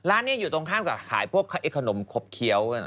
ร้านนี้อยู่ตรงข้ามกับขายพวกขนมคบเคี้ยว